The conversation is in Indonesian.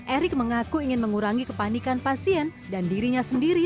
erick mengaku ingin mengurangi kepanikan pasien dan dirinya sendiri